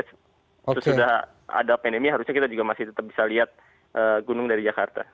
sesudah ada pandemi harusnya kita juga masih tetap bisa lihat gunung dari jakarta